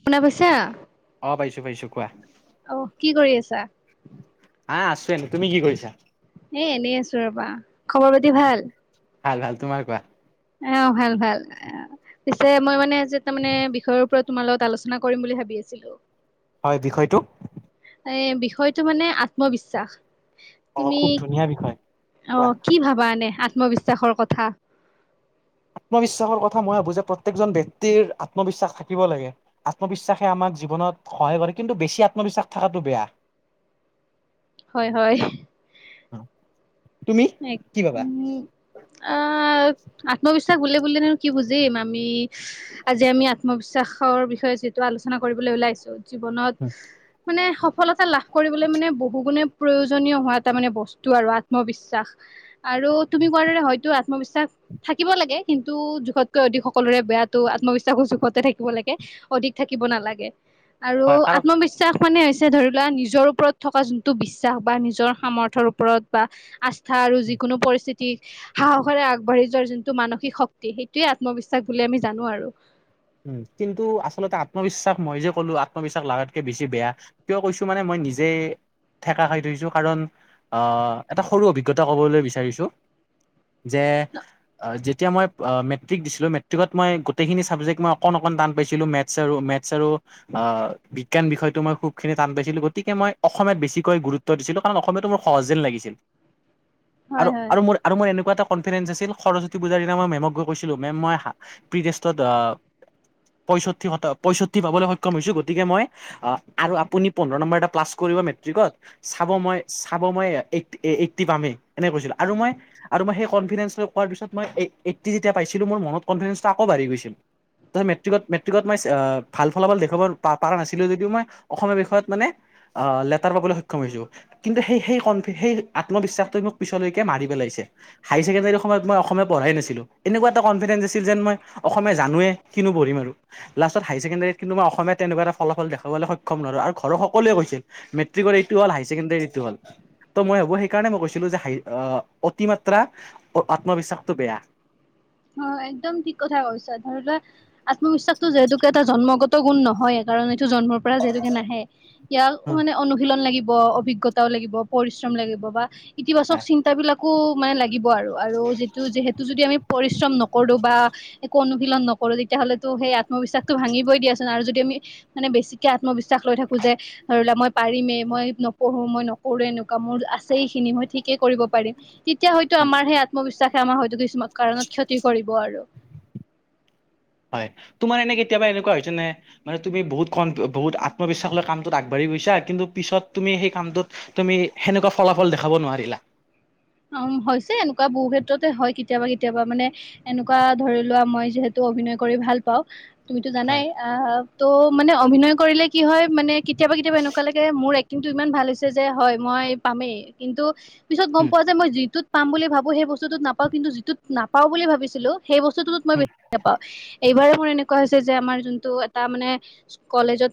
শুনা পাইছা। অ পাইছো পাইছো কোৱা অহ কি কৰি আছা? আহ আছো এনে, তুমি কি কৰিছা? এ এনেই আছো ৰবা খবৰ পাতি ভাল ভাল ভাল, তোমাৰ কোৱা? অ', ভাল ভাল, পিছে মই মানে যে তাৰ মানে বিষয়ৰ ওপৰত তোমাৰ লগত আলোচনা কৰিম বুলি ভাবি আছিলো। হয় বিষয়টো এ বিষয়টো মানে আত্মবিশ্বাস। অ তুমি, খুব ধুনীয়া বিষয় কোৱা অ', কি ভাবানে আত্মবিশ্বাসৰ কথা। আত্মবিশ্বাসৰ কথা মই ভাবো যে প্ৰত্যেকজন্য়ক্তিৰ আত্মবিশ্বাস থাকিব লাগে আত্মবিশ্বাসে আমাক জীৱনত সহায় কৰে কিন্তু বেছি আত্মবিশ্বাস থাকাটো বেয়া। হয় হয়। অ' উ আত্মবিশ্বাস বুলি বুলিলে কি বুজিম আমি আজি আমি আত্মবিশ্বাস বিষয়ে যিটো আলোচনা কৰিবলৈ ওলাইছো জীৱনত মানে সফলতা লাভ কৰিবলৈ মানে বহু গুণে প্ৰয়োজনীয় হোৱা এটা মানে বস্তু আৰু আত্মবিশ্বা আৰু তুমি কোৱাৰ দৰে হয়তো আত্মবিশ্বাস থাকিব লাগে কিন্তু যুগতকৈ অধিক সকলোৰে বেয়া আত্মবিশ্বাসৰ জুখতে থাকিব লাগে অধিক থাকিব নালাগে। আৰু হয় কাৰণ আত্মবিশ্বাস মানে হৈছে ধৰি লোৱা নিজৰ ওপৰত থকা যোনটো বিশ্বাস বা নিজৰ সামৰ্থৰ ওপৰত বা আ কথা আৰু যিকোনো পৰিস্থিতি সাহসৰে আগবাঢ়ি যোৱাৰ যোনটো মানসিক শক্তি সেইটোৱে আত্মবিশ্বাস বুলি আমি জানো আৰু। উম, কিন্তু আচলতে আত্মবিশ্বাস মই যে ক'লো আত্মবিশ্বাস লাগতকে বেছি বেয়া। কিয় কৈছো মানে মই। নিজে। ঠেকা খাই থৈছো কাৰণ আহ এটা সৰু অভিজ্ঞতা ক'বলৈ বিচাৰিছো। যে যেতিয়া মই মেট্ৰিক দিছিলো মেট্ৰিকত মই গোটেইখিনি চাবজেক্ট মই অকন, অকন টান পাইছিলো। মেথছ আৰু মেথছ আৰু অ বিজ্ঞান বিষয়তটো মই খুব খিনি টান পাইছিলো গতিকে গতিকে মই অসমীয়াত বেছিকৈ গুৰুত্ব দিছিলোঁ কাৰণ অসমীয়াতো মোৰ সহজ যেন লাগিছিল। হয় আৰু, হয়। আৰু মোৰ আৰু মই এনেকুৱা এটা কনফিডেন্ঞ্চ আছিল সৰস্বতী পূজাৰ দিনা মই মেমক গৈ কৈছিলোঁ মেম মই প্ৰি টেষ্টত অহ। পয়ষষ্ঠি পয়ষষ্ঠি পাবলৈ সক্ষম হৈছো গতিকে মই আৰু আপুনি পোন্ধৰ নম্বৰ এটা প্লাছ কৰিব মেএট্ৰিক ত। মেট্ৰিক ত চাব মই এইটটি পাম এ। এনেকৈ কৈছিলো আৰু মই সেই কনফিডেঞ্চটো পোৱাৰ পিছত মই এইটটি যেতিয়া পাইচিলো মোৰ মনত কনফিডেঞ্চটো আকৌ বাঢ়ি গৈছিল। ত মেট্ৰিকত মেট্ৰিকত মই ভাল ফলাফল দেখুৱাব পাৰা নাছিলো যদিও মই অসমীয়া বিষয়ত মানে আহ লেটাৰ পাবলৈ সক্ষম হৈছো। কিন্তু সেই সেইন সেই আত্মবিশ্বাসটো মোক পিছলৈকে মাৰি পেলায় হাই ছেকেণ্ডাৰী সময়ত মই অসমীয়া পঢ়াই নাছিলো। এনেকুৱা এটা কনফিডেন্স আছিল যেন মই অসমীয়া জানোৱে কি নু পঢ়িম আৰু। লাষ্টত হাইয়াৰ ছেকেণ্ডাৰীত কিন্তু মই অসমীয়া তেনেুৱা এটা ফলাফল দেখাবলৈ সক্ষম হলো। আৰু ঘৰৰ সকলোৱে কৈছে। মেট্ৰিকৰ এইটো হল। হাই ছেকেডাৰী এইটো হ'ল। ত মই ভাবো সেইকাৰণে মই কৈছিলো যে আহ অতিমাত্ৰা আত্মবিশ্বাসটো বেয়া। উম। অ একদম ঠিক কথা কৈছা। ধৰি লোৱা আত্মবিশ্বাসো যিহেতুকে এটা জন্মগত গুণ নহয় কাৰণ। জন্মৰ পৰা যিহেতুকে নাহে ইয়াক মানে বেয়া অনুশীলন লাগিব। অভিজ্ঞতাও লাগিব পৰিশ্ৰম লাগিব বা ইতিবাচক চিন্তা বিলাকো মানে লাগিব আৰু। আৰু যিটো যিহেতটো যদি আমি। পৰিশ্ৰম নকৰো বা একো অনুশীলন নকৰো তেতিয়াহ'লেতো সেই আত্মবিশ্বাসটো ভাঙিবই দিয়াচোন আৰু যদি আমি। মানে বেছিকে আত্মবিশ্বাস লৈ থাকো যে ধৰি লোৱা মই পাৰিমে মই নপঢ়ো মই নকৰো এনেকুৱা। মোৰ আছে এই খিনি মই ঠিকেই কৰিব পাৰিম। তেতিয়া হয়তো আমাৰ সেই আত্মবিশ্বাসে আমাৰ হয়তো কিছুমান। কাৰণত ক্ষতি কৰিব আৰু। হয় তোমাৰ এনে কেতিয়াবা এনেকুৱা হৈছে নে। মানে তুমি বহুত ক বহুত আত্মবিশ্বাস লৈ কামটোত আগবাঢ়ি গৈছা। কিন্তু পিছত তুমি সেই কামটোত তুমি সেনেকুৱা ফলাফল দেখাব নোৱাৰিলা। অহ। অ হৈছে এনেকুৱা বহু ক্ষেত্ৰতে হয়। কেতিয়াবা কেতিয়াবা মানে এনেকুৱা ধৰি লোৱা মই যিহেতু। অভিনয় কৰি ভাল পাওঁ। তুমিতো হয় জানাই আহ ত' মানে অভিনয় কৰিলে কি হয় মানে কেতিয়াবা, কেতিয়াবা এনেকুৱা লাগে মোৰ। কিন্তু ইমান ভাল হৈছে যে হয় মই পামেই কিন্তু পিছত গম। উম পোৱা যে মই যিটোত পাম বুলি ভাবো সেই বস্তুটোত নাপাও। কিন্তু যিটোত নাপাও বুলি ভাবিছিলো। সেই বস্তুটো মই উম বেছিকে পাওঁ এইবাৰ। মৰ এনেকোৱা হৈছে যে আমাৰ জোনটো এটা মানে কলেজ ত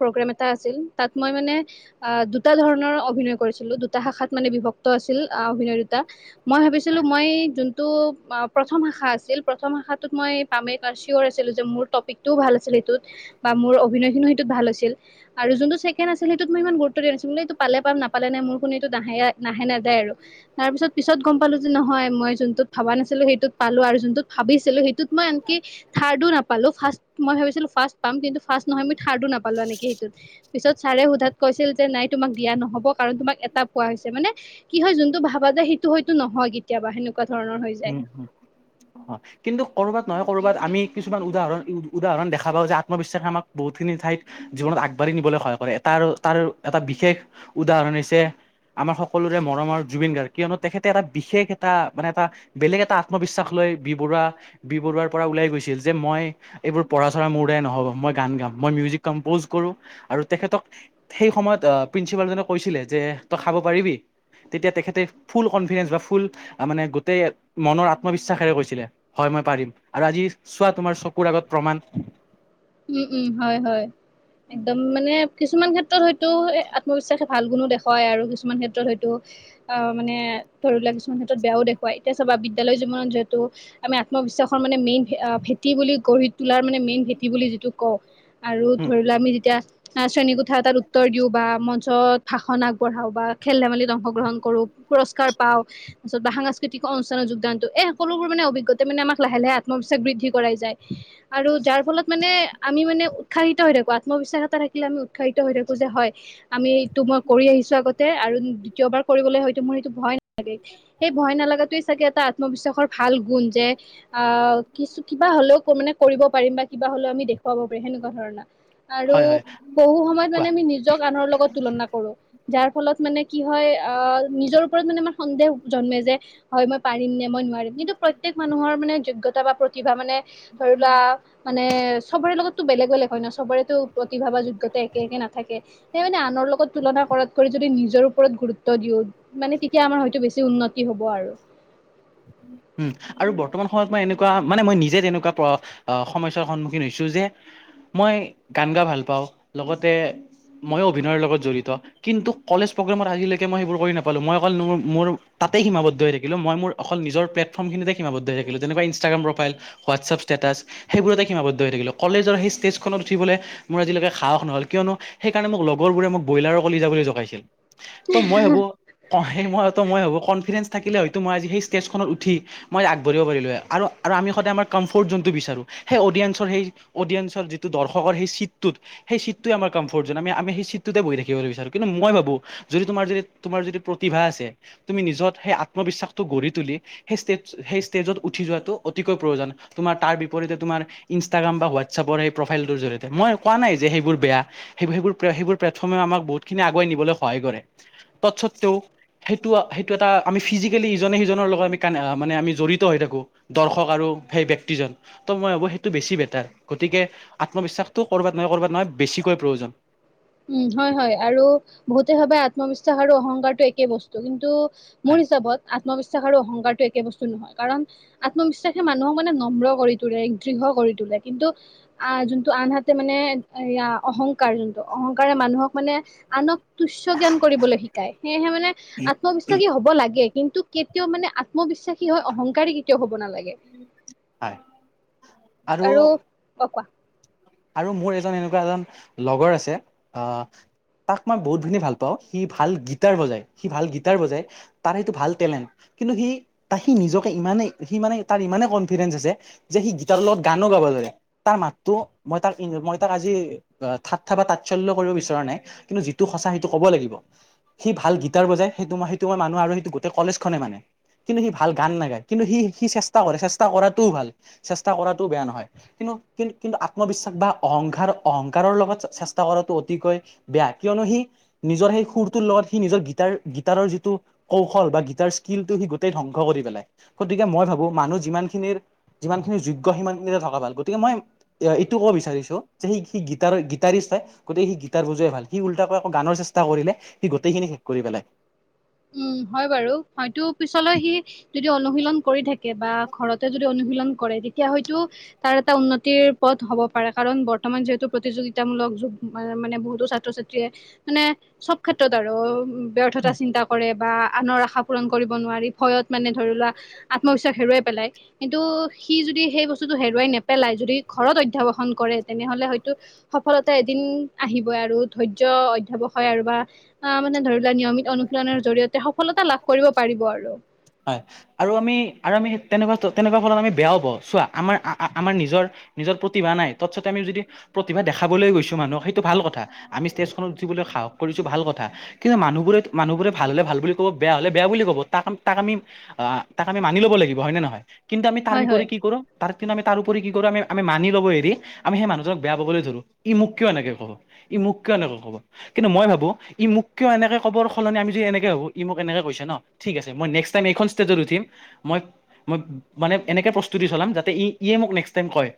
প্ৰগ্ৰেম এটা আছিল। তাত মই মানে। দুটা ধৰণৰ অভিনয় কৰিছিলো। দুটা শাখাত মানে বিভক্ত আছিলো। অভিনয় দুটা। মই ভাবিছিলো মই। জোনটো প্ৰথম শাখা আছিল প্ৰথম শাখাটোত মই পামে চিয়ৰ। আছিলো যে মোৰ টপিক টোও ভাল আছিলে। হে ই টোট বা মোৰ অভিনয় খিনিয় সেইটোত ভাল হৈছিল। আৰু যোনটো ছেকেন্ড আছিল সেইটোত মই ইমান গুৰুত্ব দিয়া নাছিলো। পাম নাপালে মোৰ কোনো ইটো নাহে নাহে নহ। আৰু তাৰ পিছত পিছত গম পালো যে নহয় মই যোনটোত ভাবা নাছিলো সেইটোত পালো আৰু যোনটোত ভাবিছিলো। সেইটোত মই আনকি থাৰ্দ ও নাপালো। ফাৰ্ষ্ট মই ভাবিছিলোঁ ফাৰ্ষ্ট পাম কিন্তু [unintelligible] নহয় আমি থাৰ্ডও নাপালো। এনেকে সেইটোত পিছত ছাৰে সোধাত কৈছিল যে নাই তোমাক দিয়া নহ'ব কাৰণ তোমাক। পোৱা হৈছে মানে কি হয় যোনটো ভাবা যায় সেইটো হয়ো নহয় কেতিয়াবা সেনেকুৱা ধৰণৰ হৈ যায় উম, কিন্তু কৰ'বাত নহয় ক'ৰবাত আমি কিছু উদৰণ উদাহৰণ দেখা পাওঁ যে আত্মবিশ্বাস আম বহুখিনি ঠাইত জীৱনত আগবাঢ়ি নিবলৈ সহায় কৰে। তাৰ তাৰ এটা বিশেষ উদাহৰণ হৈছে আমাৰ সকলোৰে মৰমৰ জুবিন গাৰ্গ কিয়নো তেখেতে এটা বিশেষ এটা মানে এটা বেলেগ এটা আত্মবিশ্বাস লৈ বি বৰুৱা বি বৰুৱাৰ পৰা ওলাই গৈছিল, যে মই এইবোৰ পঢ়া চৰা মোৰ নহ'ব মই গান গাম মই মিউজিক কম্পউজ কৰো আৰু তেখেতক সেই সময়ত প্ৰিঞ্চিপাল জনক কৈছিলে যে, তই খাব পাৰিবি তেতিয়া তেখতে ফুল কনফিডেন্স বা ফুল মানে গোটেই মনৰ আত্মবিশ্বাসেৰে কৈছিলে, হয় মই পাৰিম। আৰু আজি চোৱা তোমাৰ চকুৰ আগত প্ৰমাণ [inaudible] উম-উম হয়-হয় একদম মানে কিছুমান ক্ষেত্ৰত হয়তো আত্মবিশ্বাস ভাল গুণো দেখুৱায় আৰু কিছুমান ক্ষেত্ৰত হয়তো অ, মানে ধৰি ললা কিছুমান ক্ষেত্ৰত বেয়াও দেখুৱায় এতিয়া চব [inaudible] পঠি বুলি যিটো কওঁ আৰু উম ধৰি লোৱা আমি যেতিয়া শ্ৰেণীকোঠা এটাত উত্তৰ দিও বা মঞ্চত ভাষন আগবঢ়াও বা খেল ধেমালিত অংশগ্ৰহণ কৰো পুৰস্কাৰ পাওঁ পিছত সাস্কতিক অনুষ্ঠানৰ যোগদানটো এই সকলোবোৰ মানে অভিজ্ঞতা মানেম লাহে-লাহে আত্ম বৃদ্ধি কৰাই যায় আৰু যাৰ ফলত মানে আমি মানে উৎসাহিত হৈ থাকো আত্মবিশ্বাস এটা থাকিলে আমি উৎসাহিত হৈ থাকো যে হয়, আমি এইটো মই কৰি আহিছো আগতে আৰু দ্বিতীয়বাৰ কৰিবলৈ হয়তো মোৰ এইটো ভয় সেই ভয় নালাগাতোৱে চাগে এটা আত্মবিশ্বাসৰ ভাল গুণ যে আহ কিছু কিবা হলেও মানে কৰিব পাৰিম বা কিবা হ'লেও আমি দেখুৱাব পাৰি তেনেকুৱা ধৰনৰ আৰু হয় হয় বহু সময়ত কোৱা মানে আমি নিজক আনৰ লগত তুলনা কৰো। যাৰ ফলত মানে কি হয় আহ নিজৰ ওপৰত মানে আমাৰ সন্দেহ জন্মে যে হয়, মই পাৰিম নে, ই নোৱাৰিম কিন্তু প্ৰত্যেক মানুহৰ মানে যোগ্যতা বা প্ৰতিভা মানে ধৰিলোৱা চবৰে লগততো বেলেগ-বেলেগ হয় ন চবৰেতো প্ৰতিভা বা যোগ্যতা একে একে নাথাকে, সেই মানে আনৰ লগত তুলনা কৰাত কৰি যদি নিজৰ ওপৰত গুৰুত্ব দিও মানে তেতিয়া আমাৰ হয়তো বেছি উন্নতি হব আৰু উম আৰু বৰ্তমান সময়ত মই এনেকুৱা মানে মই নিজে এনেকুৱা সমস্যাৰ সন্মুখীন হৈছো যে মই গান গাই ভাল পাওঁ লগতে মইয়ো অভিনয়ৰ লগত জড়িত কিন্তু কলেজ প্ৰগ্ৰেমৰ আজিলৈকে মই সেইবোৰ কৰি নাপালো মই অকল মোৰ মোৰ তাই সীমাবদ্ধ হৈ থাকিলো মই মোৰ অকল নিজৰ প্লেটফৰ্মমিনিতে সীমাবদ্ধ হৈ থাকিল। যেকুৱ ইনাগ্ৰাম প্ৰফাইল হোৱাটছআপ ষ্টেটাছ সেইবোৰতে সীমাবদ্ধ হৈ কলেজৰ সেই ষ্টেজখন উঠিবলৈ মোৰ আজিলৈকে সাহ নহল কিয়নো সেইণে মোক লগৰবোৰে মই বইলাৰৰ কলি জোকাইছিল টো মই সেই বোৰ অ মই সেই বোৰ কনফিডেন্স থাকিলে হয়তো মই আজি সেই ষ্টেজখন উঠি মই আগবাঢ়িব পাৰিলো আৰু আমি সদায় আমাৰ কম্ফৰ্ট জোনটো বিচাৰোঁ সেই অডিয়েঞ্চৰ সেই অডিয়েঞ্চ যিটো দৰ্শকৰ সেই চিটটোত সেই চিটোৱ আমাৰ কমফৰ্ট জ আমি আমি সেই চিটটোতে বহি থাকিবলৈ বিচাৰো। কিন্তু মই ভাবো যদি তোমাৰ যদি তোমাৰ যদি প্ৰতিভা আছে, তুমি নিজত সেই আত্মবিশ্বাসটো গঢ়ি সেই স্টেজ সেই ষ্টেজত উঠি যোৱাতো অতিকৈ প্ৰয়োজন তোমাৰ তাৰ বিপৰীতে তোমাৰ ইনস্টাগ্ৰ্যাম বা শাতএপছৰ প্ৰফাইল টো জৰিয়তে মই কোৱা নাই যে সেইবোৰ বেয়া সেই সেই বোৰ প্ৰথমে আমাৰ বহুত আগুৱাই নিবলৈ সহায় কৰে তত সত্ত্বেও সেইটো সেইটো এটা আমি ফিজিকেলি ইজনে সিজনক লগত আম মানে আমি জড়িত হৈ থাকো। দৰ্শক আৰু সেই ব্যক্তিজন ত' মই ভাবো সেইটো বেছি বে গতিকে আত্মবিবাসটো কৰবাত নহয় কৰ'বাত নহয় বেছিকৈ প্ৰয়োজন উম হয়-হয় আৰু বহুতে সবাই আত্মবিবাস আৰু অহংকাৰটো একেই বস্তু কিন্তু মোৰ হয় হিচাপত আত্মবিশ্বাস আৰু অহংকাৰটো একে বস্তু নহয় কাৰণ আত্মবিশ্বাসে মানুহক মানে নম্ৰ কৰি তোলে দৃঢ় কৰি তোলে কিন্তু আহ যোনটো আনহাতে মানে এয়া অহংকাৰ যোনটো অহংকাৰ মানুহক মানে আনক তুষ্য় জ্ঞান কৰিবলৈ শিকায় সেয়েহে মানে আত্মবিশ্বাসী হব লাগে। কিন্তু কেতিয়াও মানে আত্মবিশ্বাসী হয় অহংকাৰে কেতিয়াও হ হয় আৰু ক কোৱা আৰু মোৰ এজন এনেকুৱা এজন লগৰ আছে আহ তাক মই বহুতখিনি ভাল পাওঁ। সি ভাল গীটাৰ বজায় সি ভাল গীটাৰ বজাই তাৰ সেইটো ভাল টেলেণ্ট কিন্তু সি ত সি নিজকে ইমানেই সি মানে তাৰ ইমানেই কনফিডেন্ঞ্চ আছে, যে সি গিটাৰৰ লগত গানো গাব তাৰ মাতটো মই তাক মই তাক আজি ঠাট্টা বা তাৎসল্য কৰিব বিচৰা নাই কিন্তু যিটো সঁচা সেইটো ক'ব লাগিব সি ভাল গীটাৰ বজাই সেইটো ম সেইটো মই সেইটো গোটেই কলেজ খনে মানে কিন্তু সি ভাল গান নাগায় কিন্তু সি সি চেষ্টা কৰে চেষ্টা কৰাটোও ভাল চেষ্টা কৰাটোও বেয়া নহয় কিন্তু কিন্তু কিন্তু আ আত্মবিশ্বাস বা অহংকাৰ- অহংকাৰৰ লগত চেষ্টা কৰাটো অতিকৈ বেয়া কিয়নো সি নিজৰ সেই সুৰটোৰ লগত সি নিজৰ গীটাৰ গীটাৰৰ যিটো কৌশল বা গীতাৰ স্কিল টো সি গোটেই ধ্বংস কৰি পেলাই গতিকে মই ভাবো মানুহ যিমানখিনিৰ যিমানখিনিৰ যোগ্য সিমানখিনিতে থকা ভাল গতিকে মই এ এইটো কব বিচাৰিছো যে সি সি গীটাৰ গীটাৰীষ্ট হয় গতিকে সি গিতাৰ বজোৱাই ভাল ওলোটা কৈ আকৌ গানৰ চেষ্টা কৰিলে সি গোটেইখিনি শেষ কৰি পেলাই উম হয় বাৰু হয়তো পিছলৈ সি যদি অনুশীলন কৰি থাকে বা ঘৰতে যদি অনুশীন কৰে তেতিয়া হয়তো তাৰ এটা উন্নতিৰ পথ হ'ব পাৰে কাৰণ বৰ্তমান যিহেতু প্ৰতিযোগিতা [unintelligible] য মানে বহুতো ছাত্ৰ ছাত্ৰীয়ে মানে চব ক্ষেত্ৰত আৰু ব্যৰ্থাতা চিন্তা কৰে বা আনৰ আশা পূৰণ কৰিব নোৱাৰি ভয়ত মানে ধৰি লোৱা আত্মবিশ্বাস হেৰুৱাই পেলাই কিন্তু সি যদি সেই বস্তুটো হেৰুৱাই নেপেলাই যদি ঘৰত অধ্যবসন কৰে তেনেহলে হয়তো সফলতাই এদিন আহিবই আৰু ধৈৰ্যয় অধ্যবসয় হয় আৰু বা অ মানে ধৰি লোৱা নিয়মিত অনু জৰিয়তে সফলতা লাভ কৰিব পাৰিব আৰু হয় আৰু আমি আৰু আমি তেনেকুৱা তেনেকুৱা ফলত আমি বেয়াও পাও চোৱা আমাৰ নিজৰ নিজৰ প্ৰতিভা নাই তৎসতে আমি যদি প্ৰতিভা দেখাবলৈ গৈছো মানুহক সেইটো ভাল কথা আমি ষ্টেজখনত উঠিবলৈ সাহস কৰিছো ভাল কথা কিন্তু মানুহবোৰ মানুবোৰে ভাল হলে ভাল কব বেয়া হলে বেয়া বুলি ক'ব তাক তাক আমি তাক আমি মানি ল'ব লাগিব হয় নে নহয় কিন্তু আমি তাৰ হয় হয়। বিপৰি কি কৰো তাৰ কিন্ত আমি তাৰ উপৰি কি কৰো আমি মানি লব এৰি আমি সেই মানুহজনক বেয়া পাবলৈ ধৰো ই মোক কিয় এনেকে ক'ব মোক এনেকে কব কিন্তু মই ভাবো ই মোক কিয় এনেকৈ কবৰ সলনি আমি যদি এনেকে ভাবো ই মোক এনেকে কৈছে ন ঠিক আছে মই নেক্স তাইম এইখন ষ্টেজত উঠিম মই - মই মানে এনেকে প্ৰস্তুত [unintelligible] চলাম যাতে ই ই মোক নেক্স টাইম কয়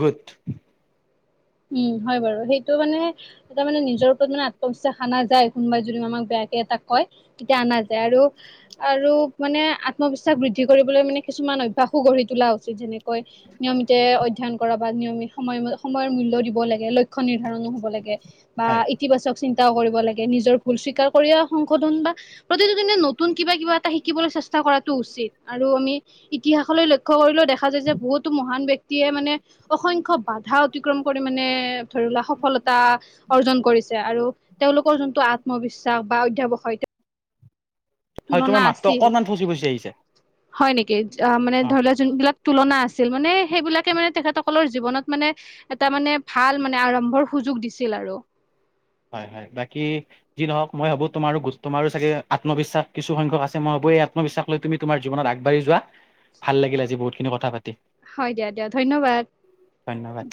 গুড উম হয় বাৰু সেইটো মানে এটা মানে নিজৰ ওপৰত মানে আত্মবিশ্বাস অনা যায় কোনোবাই যদি আমাক বেয়া এ টৈ কয় তেতিয়া অনা যায় আৰু আৰু মানে আত্মবিশ্বাস বৃদ্ধি কৰিবলৈ মানে কিছুমান ইমান অভ্যাসো গঢ়ি তোলা উচিত যেনেকৈ নিয়মিততে অধ্যয়ন কৰা বা নিয়মিত সময় সময়ৰ মূল্য ল দিব লক্ষ্য নিৰ্ধাৰনো হব লাগে বা হয় ইতিবাচক চিন্তাও কৰিব লাগে নিজৰ ভুল স্বীকাৰ কৰি সংশোধন বা প্ৰতিটো দিনে নতুন কিবা কিবা এটা শিকিবলৈ চেষ্টা কৰাটো উচিত আৰু আমি ইতিহাসলৈ লক্ষ্য কৰিল ওঁ দেখা যায় যে বহুতো মহান ব ব্যক্তিয়ে মানে অসংখ্য্ বাধা অতিক্ৰম পৰিমে ধৰি ললা সফলতা অৰ্জন কৰিছে আৰু তেওঁলোকৰ যোনটো আত্মবিশ্বাস বা অধ্যবক [unintelligible] হয় তোমাৰ মাতো অকনমান ফচি ফুচি আহিছে হয় নেকি মানে অ ধৰি লোৱা যোনবিলাক তুলনা আছিল মানে সেইবিলাকে মানে তেখেতসকলৰ জীৱনত মানে এটা মানে ভাল মানে আৰম্ভৰ সু সুযোগ দিছিল আৰু হয় হয় বাকী যি নহওক মই ভাবো তোমাৰো তোমাৰো চাগে আত্মবিশ্বাস কিছু সংখ্যক আছে মই ভো আত্মবিশ্বাস লৈ তুমি তোমাৰ জীৱনত আগবাঢ়ি যোৱা ভাল লাগিল আজি বহু খিনি কথা পাতি হয় দিয়া দিয়া ধন্যবাদ ধন্যবাদ